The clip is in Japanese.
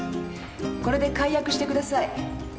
これで解約してください。